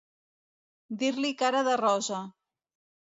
Dir-li cara de rosa.